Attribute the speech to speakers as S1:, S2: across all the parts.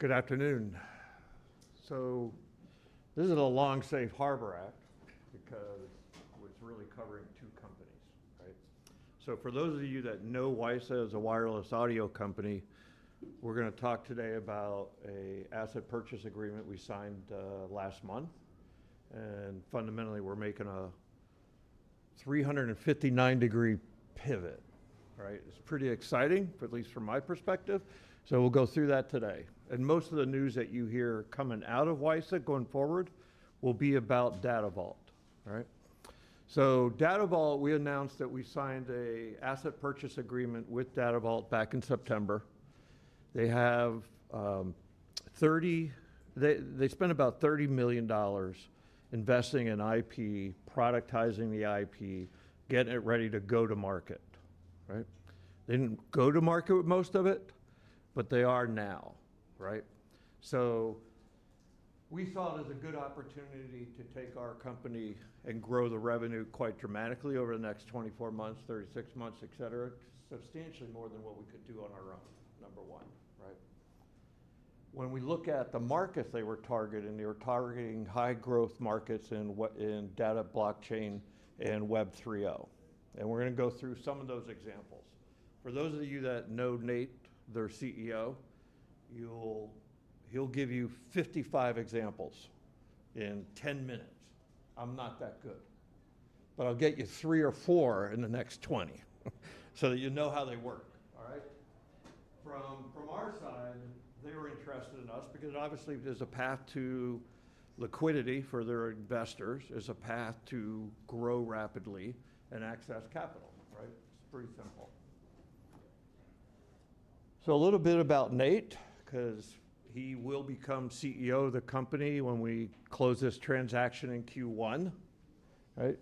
S1: Good afternoon. This is a long safe harbor act because it's really covering two companies, right? For those of you that know WiSA as a wireless audio company, we're going to talk today about an asset purchase agreement we signed last month. And fundamentally, we're making a 359-degree pivot, right? It's pretty exciting, at least from my perspective. We'll go through that today. And most of the news that you hear coming out of WiSA going forward will be about DataVault, right? DataVault, we announced that we signed an asset purchase agreement with DataVault back in September. They spent about $30 million investing in IP, productizing the IP, getting it ready to go to market, right? They didn't go to market with most of it, but they are now, right? We saw it as a good opportunity to take our company and grow the revenue quite dramatically over the next 24 months, 36 months, et cetera, substantially more than what we could do on our own, number one, right? When we look at the markets they were targeting, they were targeting high-growth markets in data blockchain and Web 3.0. We're going to go through some of those examples. For those of you that know Nate, their CEO, he'll give you 55 examples in 10 minutes. I'm not that good. I'll get you three or four in the next 20 so that you know how they work, all right? From our side, they were interested in us because obviously there's a path to liquidity for their investors. There's a path to grow rapidly and access capital, right? It's pretty simple. So a little bit about Nate, because he will become CEO of the company when we close this transaction in Q1, right?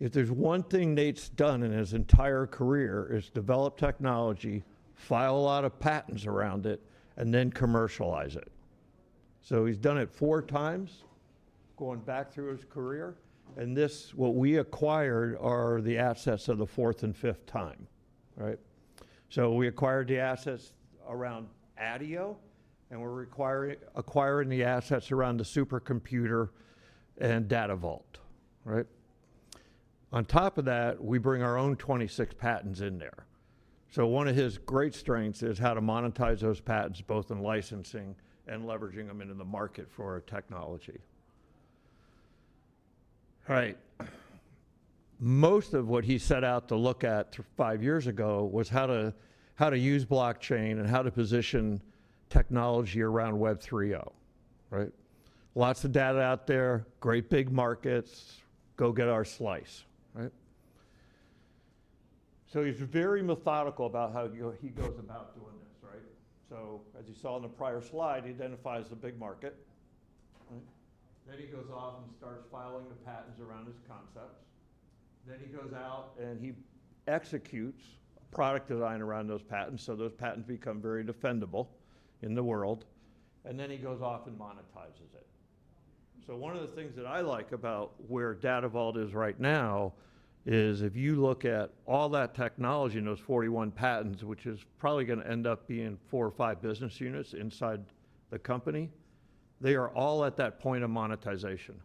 S1: If there's one thing Nate's done in his entire career is develop technology, file a lot of patents around it, and then commercialize it. So he's done it four times going back through his career. And this, what we acquired are the assets of the fourth and fifth time, right? So we acquired the assets around ADIO, and we're acquiring the assets around the supercomputer and DataVault, right? On top of that, we bring our own 26 patents in there. So one of his great strengths is how to monetize those patents, both in licensing and leveraging them into the market for our technology. All right. Most of what he set out to look at five years ago was how to use blockchain and how to position technology around Web 3.0, right? Lots of data out there, great big markets, go get our slice, right? So he's very methodical about how he goes about doing this, right? So as you saw in the prior slide, he identifies the big market, right? Then he goes off and starts filing the patents around his concepts. Then he goes out and he executes product design around those patents. So those patents become very defendable in the world. And then he goes off and monetizes it. So one of the things that I like about where DataVault is right now is if you look at all that technology and those 41 patents, which is probably going to end up being four or five business units inside the company, they are all at that point of monetization.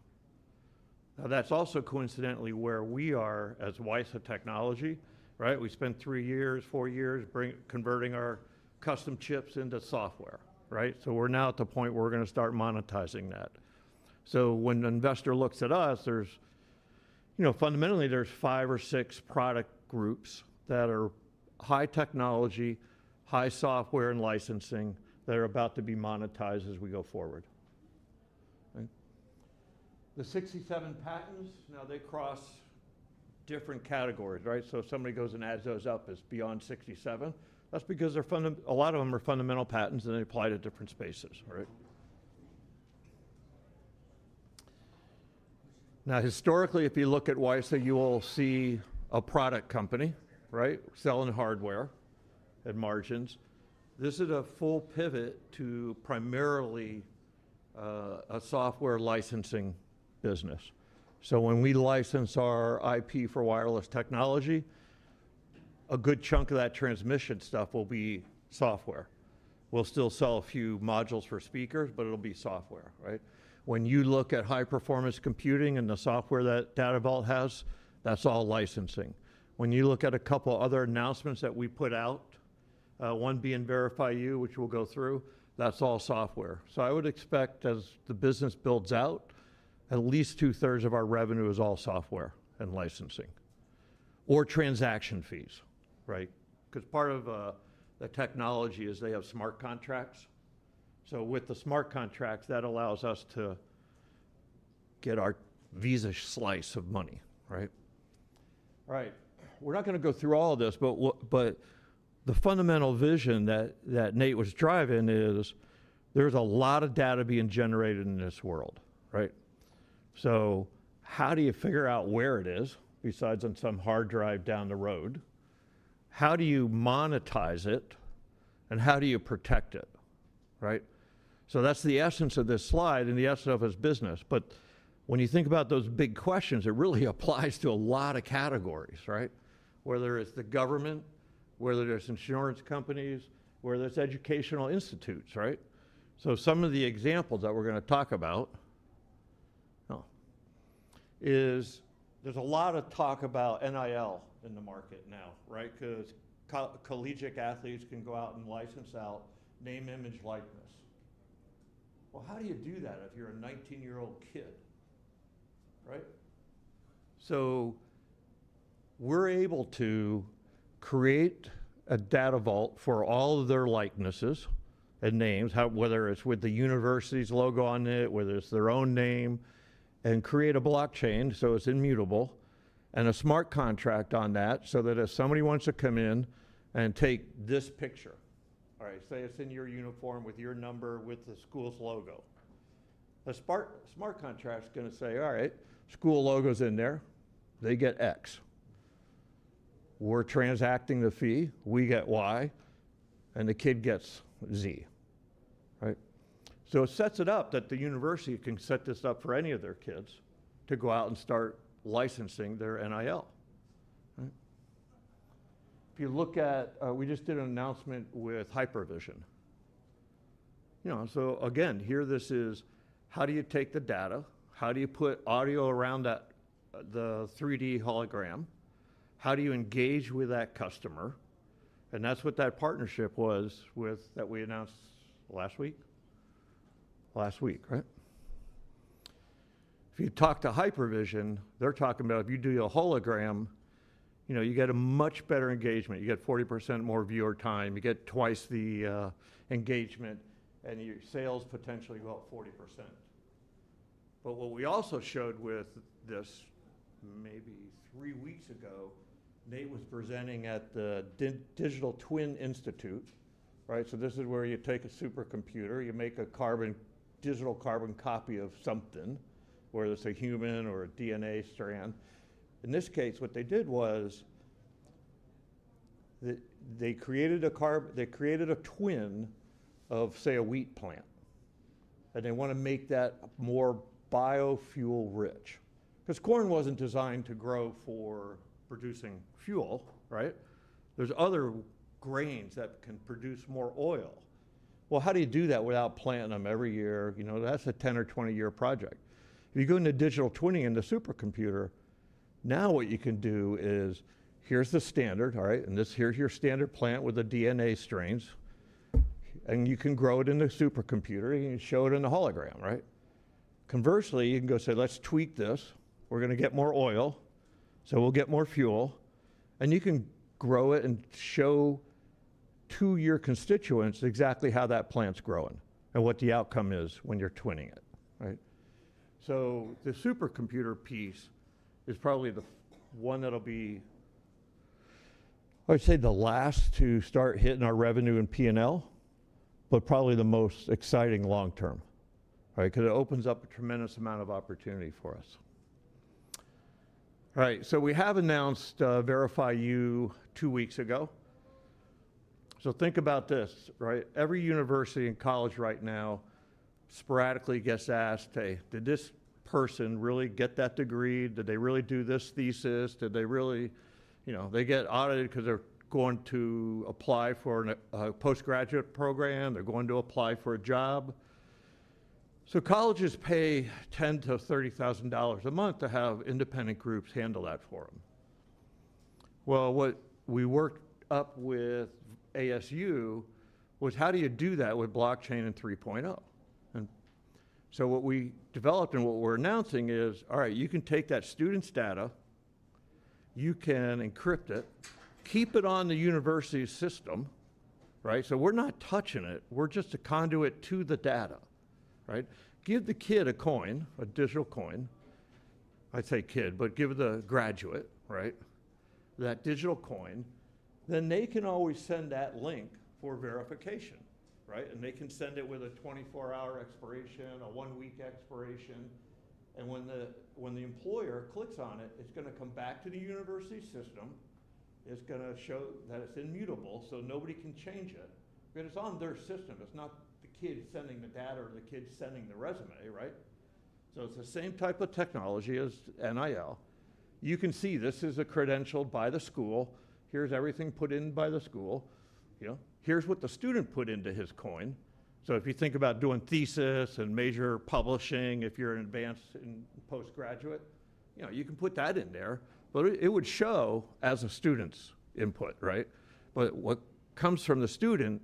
S1: Now, that's also coincidentally where we are as WiSA Technologies, right? We spent three years, four years converting our custom chips into software, right? So we're now at the point where we're going to start monetizing that. So when an investor looks at us, fundamentally, there's five or six product groups that are high technology, high software, and licensing that are about to be monetized as we go forward. The 67 patents, now they cross different categories, right? So if somebody goes and adds those up, it's beyond 67. That's because a lot of them are fundamental patents and they apply to different spaces, right? Now, historically, if you look at WiSA, you will see a product company, right? Selling hardware at margins. This is a full pivot to primarily a software licensing business. So when we license our IP for wireless technology, a good chunk of that transmission stuff will be software. We'll still sell a few modules for speakers, but it'll be software, right? When you look at high-performance computing and the software that DataVault has, that's all licensing. When you look at a couple of other announcements that we put out, one being VerifyU, which we'll go through, that's all software. So I would expect as the business builds out, at least two-thirds of our revenue is all software and licensing or transaction fees, right? Because part of the technology is they have smart contracts. So with the smart contracts, that allows us to get our Visa slice of money, right? All right. We're not going to go through all of this, but the fundamental vision that Nate was driving is there's a lot of data being generated in this world, right? So how do you figure out where it is besides on some hard drive down the road? How do you monetize it and how do you protect it, right? So that's the essence of this slide and the essence of his business. But when you think about those big questions, it really applies to a lot of categories, right? Whether it's the government, whether there's insurance companies, whether it's educational institutes, right? So some of the examples that we're going to talk about is there's a lot of talk about NIL in the market now, right? Because collegiate athletes can go out and license out name image likeness. Well, how do you do that if you're a 19-year-old kid, right? So we're able to create a DataVault for all of their likenesses and names, whether it's with the university's logo on it, whether it's their own name, and create a blockchain so it's immutable and a smart contract on that so that if somebody wants to come in and take this picture, all right, say it's in your uniform with your number with the school's logo. The smart contract's going to say, "All right, school logo's in there. They get X. We're transacting the fee. We get Y, and the kid gets Z," right? So it sets it up that the university can set this up for any of their kids to go out and start licensing their NIL, right? If you look at, we just did an announcement with HYPERVSN. So again, here this is how do you take the data? How do you put audio around the 3D hologram? How do you engage with that customer? And that's what that partnership was with that we announced last week. Last week, right? If you talk to HYPERVSN, they're talking about if you do a hologram, you get a much better engagement. You get 40% more viewer time. You get twice the engagement, and your sales potentially go up 40%. But what we also showed with this maybe three weeks ago, Nate was presenting at the Digital Twin Institute, right? So this is where you take a supercomputer, you make a digital carbon copy of something, whether it's a human or a DNA strand. In this case, what they did was they created a twin of, say, a wheat plant, and they want to make that more biofuel-rich. Because corn wasn't designed to grow for producing fuel, right? There's other grains that can produce more oil, well, how do you do that without planting them every year? That's a 10 or 20-year project. If you go into digital twinning in the supercomputer, now what you can do is here's the standard, all right, and here's your standard plant with the DNA strains. And you can grow it in the supercomputer and show it in the hologram, right? Conversely, you can go say, "Let's tweak this. We're going to get more oil, so we'll get more fuel," and you can grow it and show to your constituents exactly how that plant's growing and what the outcome is when you're twinning it, right? So the supercomputer piece is probably the one that'll be, I'd say, the last to start hitting our revenue in P&L, but probably the most exciting long-term, right? Because it opens up a tremendous amount of opportunity for us. All right. So we have announced VerifyU two weeks ago. So think about this, right? Every university and college right now sporadically gets asked, "Hey, did this person really get that degree? Did they really do this thesis? Did they really get audited because they're going to apply for a postgraduate program? They're going to apply for a job?" So colleges pay $10,000-$30,000 a month to have independent groups handle that for them. Well, what we worked up with ASU was how do you do that with blockchain and 3.0? And so what we developed and what we're announcing is, "All right, you can take that student's data. You can encrypt it, keep it on the university system, right? So we're not touching it. We're just a conduit to the data, right? Give the kid a coin, a digital coin. I'd say kid, but give the graduate, right? That digital coin, then they can always send that link for verification, right? And they can send it with a 24-hour expiration, a one-week expiration. And when the employer clicks on it, it's going to come back to the university system. It's going to show that it's immutable, so nobody can change it because it's on their system. It's not the kid sending the data or the kid sending the resume, right? So it's the same type of technology as NIL. You can see this is a credential by the school. Here's everything put in by the school. Here's what the student put into his coin. So if you think about doing thesis and major publishing, if you're an advanced and postgraduate, you can put that in there. But it would show as a student's input, right? But what comes from the student,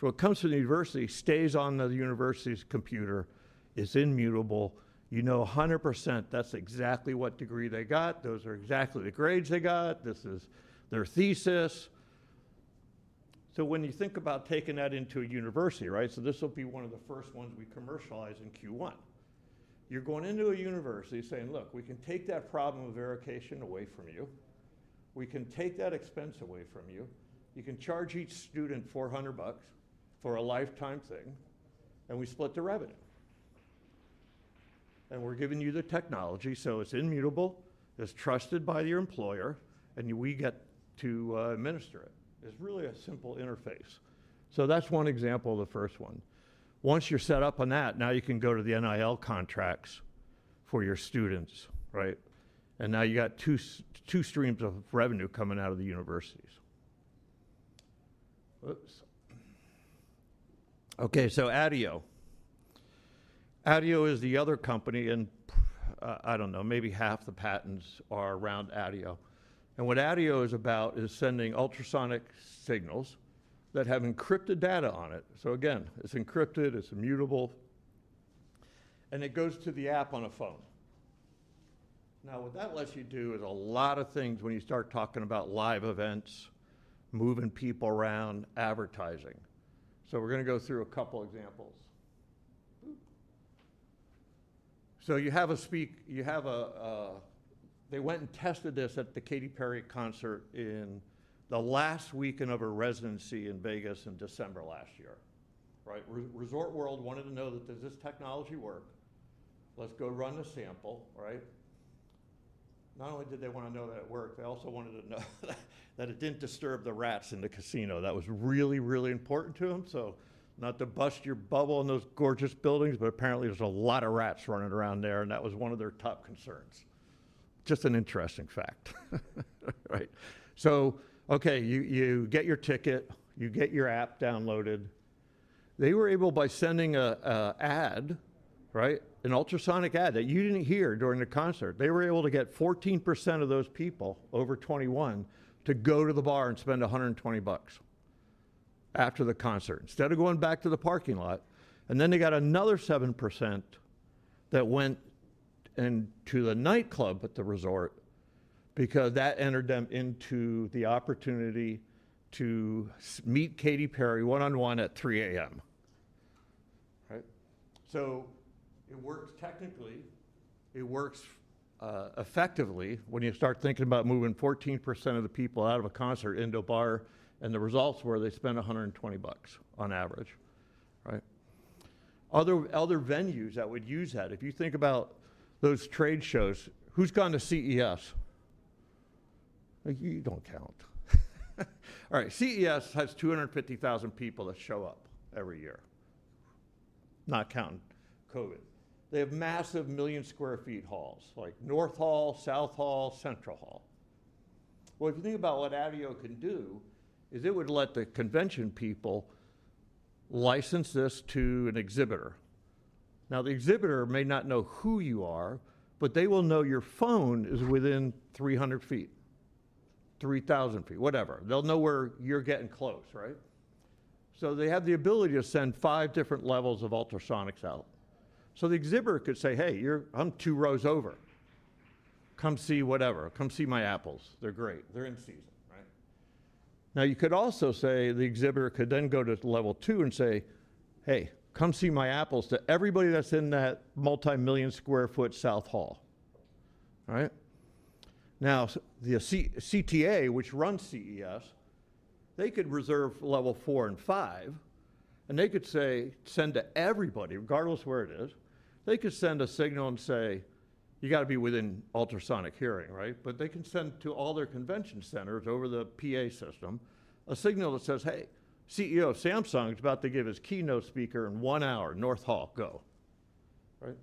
S1: what comes from the university, stays on the university's computer. It's immutable. You know 100% that's exactly what degree they got. Those are exactly the grades they got. This is their thesis. So when you think about taking that into a university, right? So this will be one of the first ones we commercialize in Q1. You're going into a university saying, "Look, we can take that problem of verification away from you. We can take that expense away from you. You can charge each student $400 for a lifetime thing, and we split the revenue, and we're giving you the technology, so it's immutable. It's trusted by your employer, and we get to administer it. It's really a simple interface, so that's one example of the first one. Once you're set up on that, now you can go to the NIL contracts for your students, right, and now you got two streams of revenue coming out of the universities, okay, so ADIO. ADIO is the other company, and I don't know, maybe half the patents are around ADIO, and what ADIO is about is sending ultrasonic signals that have encrypted data on it, so again, it's encrypted. It's immutable, and it goes to the app on a phone. Now, what that lets you do is a lot of things when you start talking about live events, moving people around, advertising. So we're going to go through a couple of examples. So you have a speaker they went and tested this at the Katy Perry concert in the last weekend of her residency in Vegas in December last year, right? Resorts World wanted to know, does this technology work? Let's go run a sample, right? Not only did they want to know that it worked, they also wanted to know that it didn't disturb the rats in the casino. That was really, really important to them. So not to bust your bubble in those gorgeous buildings, but apparently there's a lot of rats running around there, and that was one of their top concerns. Just an interesting fact, right? So, okay, you get your ticket. You get your app downloaded. They were able, by sending an ad, right? An ultrasonic ad that you didn't hear during the concert. They were able to get 14% of those people over 21 to go to the bar and spend $120 after the concert instead of going back to the parking lot, and then they got another 7% that went into the nightclub at the resort because that entered them into the opportunity to meet Katy Perry one-on-one at 3:00 A.M., right, so it works technically. It works effectively when you start thinking about moving 14% of the people out of a concert into a bar, and the results were they spent $120 on average, right? Other venues that would use that, if you think about those trade shows, who's gone to CES? You don't count. All right. CES has 250,000 people that show up every year, not counting COVID. They have massive million-square-foot halls, like North Hall, South Hall, Central Hall. If you think about what ADIO can do, it would let the convention people license this to an exhibitor. Now, the exhibitor may not know who you are, but they will know your phone is within 300 feet, 3,000 feet, whatever. They will know where you are getting close, right? So they have the ability to send five different levels of ultrasonics out. So the exhibitor could say, "Hey, I'm two rows over. Come see whatever. Come see my apples. They are great. They are in season," right? Now, you could also say the exhibitor could then go to level two and say, "Hey, come see my apples to everybody that is in that multi-million-square-foot South Hall," right? Now, the CTA, which runs CES, they could reserve level four and five, and they could send to everybody, regardless of where it is. They could send a signal and say, "You got to be within ultrasonic hearing," right? But they can send to all their convention centers over the PA system a signal that says, "Hey, CEO Samsung is about to give his keynote speaker in one hour. North Hall, go," right?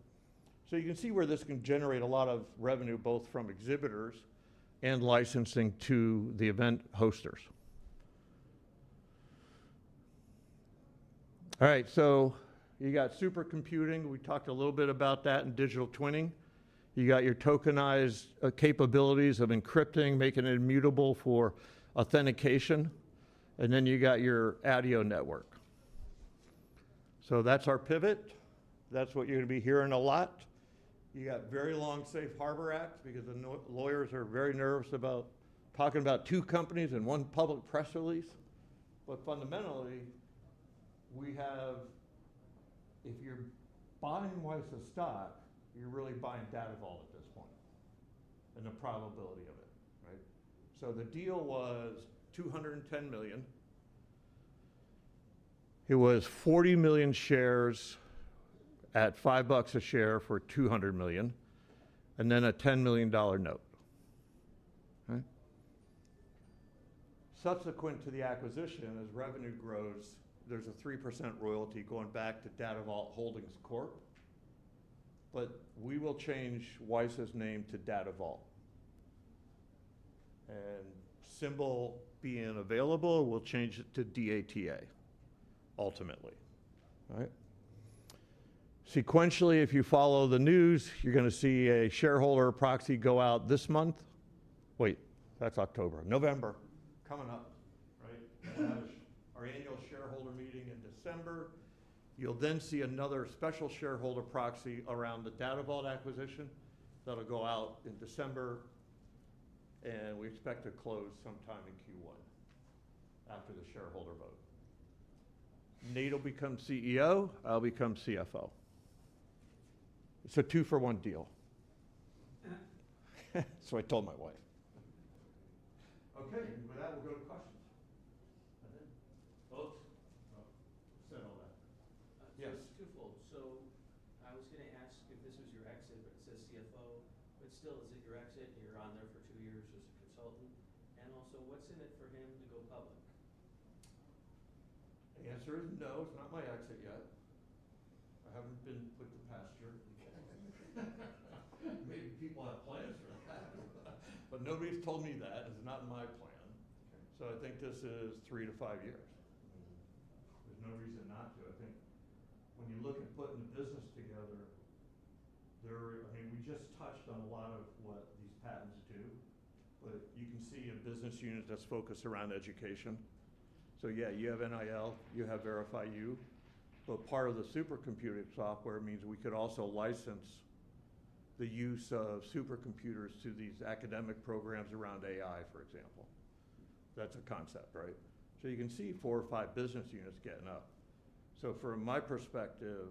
S1: So you can see where this can generate a lot of revenue, both from exhibitors and licensing to the event hosts. All right. So you got supercomputing. We talked a little bit about that in digital twinning. You got your tokenized capabilities of encrypting, making it immutable for authentication. And then you got your ADIO network. So that's our pivot. That's what you're going to be hearing a lot. You got very long safe harbor because the lawyers are very nervous about talking about two companies and one public press release. But fundamentally, if you're buying WiSA stock, you're really buying DataVault at this point and the probability of it, right? So the deal was $210 million. It was 40 million shares at 5 bucks a share for $200 million, and then a $10 million note, right? Subsequent to the acquisition, as revenue grows, there's a 3% royalty going back to DataVault Holdings Corp. But we will change WiSA's name to DataVault. And symbol being available, we'll change it to DATA ultimately, right? Sequentially, if you follow the news, you're going to see a shareholder proxy go out this month. Wait, that's October. November coming up, right? Our Annual Shareholder Meeting in December. You'll then see another special shareholder proxy around the DataVault acquisition that'll go out in December, and we expect to close sometime in Q1 after the shareholder vote. Nate will become CEO. I'll become CFO. It's a two-for-one deal. So I told my wife. Okay. And with that, we'll go to questions. I did. Folks? No. You said all that. Yes. It's two-fold. So I was going to ask if this was your exit, but it says CFO. But still, is it your exit? And you're on there for two years as a consultant. And also, what's in it for him to go public? The answer is no. It's not my exit yet. I haven't been put to pasture. Maybe people have plans for that. But nobody's told me that. It's not in my plan. So I think this is three to five years. I mean, there's no reason not to. I think when you look at putting a business together, I mean, we just touched on a lot of what these patents do, but you can see a business unit that's focused around education. So yeah, you have NIL. You have VerifyU. But part of the supercomputing software means we could also license the use of supercomputers to these academic programs around AI, for example. That's a concept, right? So you can see four or five business units getting up. So from my perspective,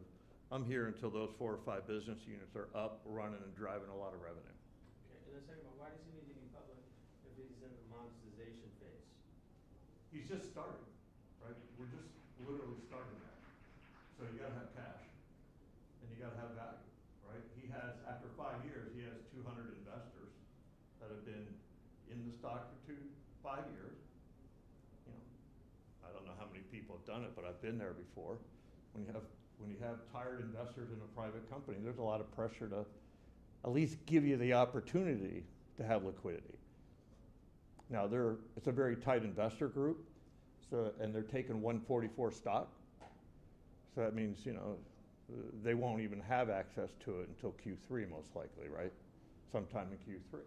S1: I'm here until those four or five business units are up, running, and driving a lot of revenue. Okay. And then second point, why does he need to be public if he's in the monetization phase? He's just starting, right? We're just literally starting that. So you got to have cash, and you got to have value, right? After five years, he has 200 investors that have been in the stock for five years. I don't know how many people have done it, but I've been there before. When you have tired investors in a private company, there's a lot of pressure to at least give you the opportunity to have liquidity. Now, it's a very tight investor group, and they're taking 144 stock. So that means they won't even have access to it until Q3, most likely, right? Sometime in Q3.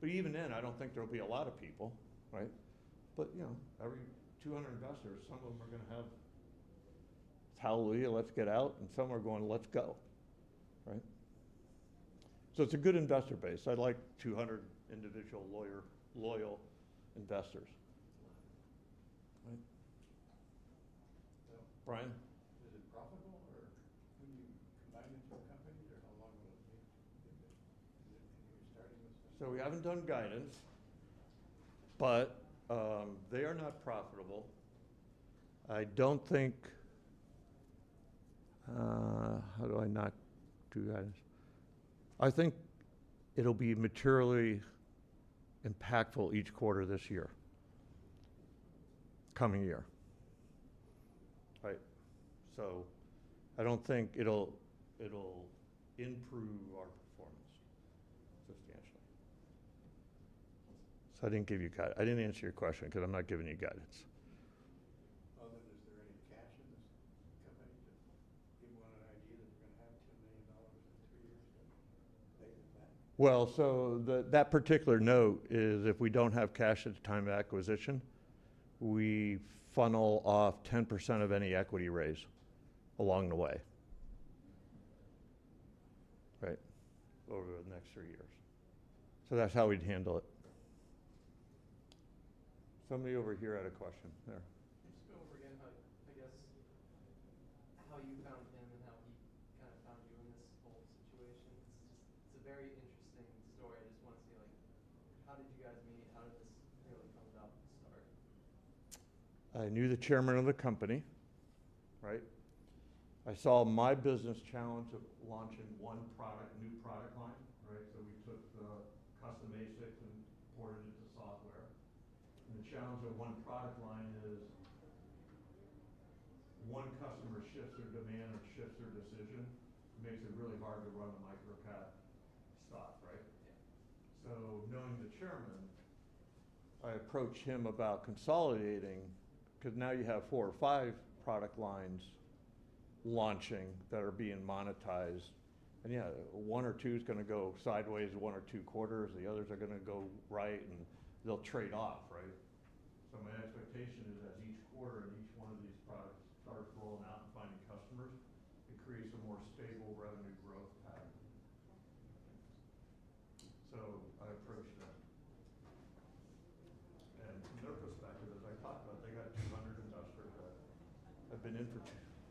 S1: But even then, I don't think there'll be a lot of people, right? But every 200 investors, some of them are going to have, "Hallelujah. Let's get out." And some are going, "Let's go," right? So it's a good investor base. I like 200 individual lawyer loyal investors. That's a lot. Right? So. Brian? Is it profitable, or can you combine the two companies, or how long will it take to get there, and you're starting with? So, we haven't done guidance, but they are not profitable. I don't think how do I not do guidance? I think it'll be materially impactful each quarter this year, coming year, right? So, I don't think it'll improve our performance substantially. So, I didn't give you guide. I didn't answer your question because I'm not giving you guidance. Other than, is there any cash in this company to sell people on an idea that you're going to have $10 million in three years to pay for that? That particular note is if we don't have cash at the time of acquisition, we funnel off 10% of any equity raise along the way, right, over the next three years. That's how we'd handle it. Somebody over here had a question there. Can you just go over again, I guess, how you found him and how he kind of found you in this whole situation? It's a very interesting story. I just want to see how did you guys meet? How did this really come about to start? I knew the chairman of the company, right? I saw my business challenge of launching one product, new product line, right? So we took the custom ASICs and ported it to software. And the challenge of one product line is one customer shifts their demand and shifts their decision. It makes it really hard to run a micro cap stock, right? Yeah. So knowing the chairman, I approached him about consolidating because now you have four or five product lines launching that are being monetized. And yeah, one or two is going to go sideways, one or two quarters. The others are going to go right, and they'll trade off, right?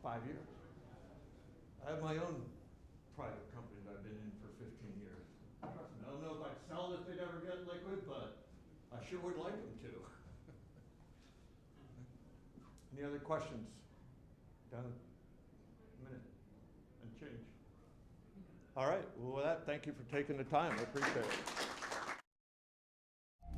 S1: So my expectation is as each quarter and each one of these products starts rolling out and finding customers, it creates a more stable revenue growth pattern. So I approached them. And from their perspective, as I talked about, they got 200 investors that have been in for five years. I have my own private company that I've been in for 15 years. Trust me. I don't know if I'd sell it if they'd ever get liquid, but I sure would like them to. Any other questions? Down a minute and change. All right. With that, thank you for taking the time. I appreciate it.